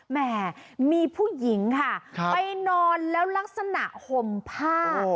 แหมมีผู้หญิงค่ะไปนอนแล้วลักษณะห่มผ้า